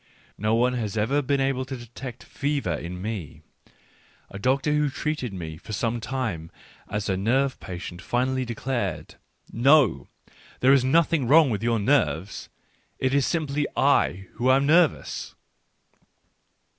No one has ever been able to detect fever in me. A doctor who treated me for some time as a nerve patient finally declared :" No ! there is nothing wrong with your nerves, it is simply I who am nervous."